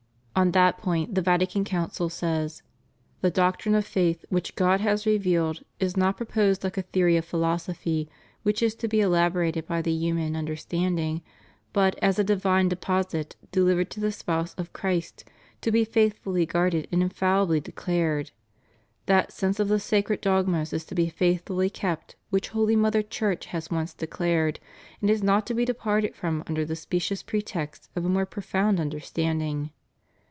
On that point the Vatican Council says: "The doctrine of faith which God has revealed is not proposed like a theory of philosophy which is to be elabo rated by the human understanding, but as a divine deposit delivered to the Spouse of Christ to be faithfully guarded and infallibly declared. ... That sense of the sacred dogmas is to be faithfully kept which Holy Mother Church has once declared, and is not to be departed from imder the specious pretext of a more profound understanding."